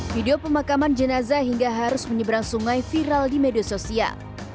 video pemakaman jenazah hingga harus menyeberang sungai viral di media sosial